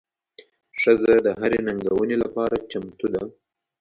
ښځه د هرې ننګونې لپاره چمتو ده.